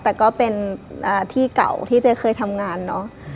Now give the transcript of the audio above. แต่ก็เป็นที่เก่าที่เจ๊เคยทำงานเนอะ